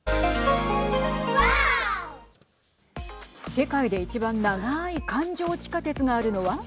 世界で一番長い環状地下鉄があるのは。